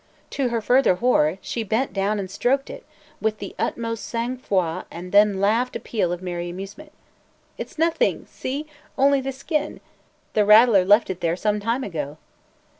To her further horror, she bent down and stroked it with the utmost sang froid and then laughed a peal of merry amusement. "It 's nothing! See? Only the skin! The rattler left it there some time ago!"